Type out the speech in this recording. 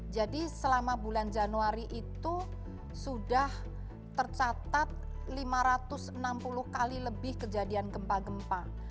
jadi selama bulan januari itu sudah tercatat lima ratus enam puluh kali lebih kejadian gempa gempa